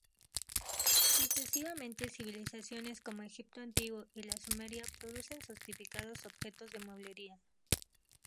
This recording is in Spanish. Sucesivamente civilizaciones como Egipto Antiguo y la sumeria producen sofisticados objetos de mueblería.